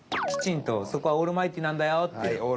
きちんとそこはオールマイティーなんだよっていう。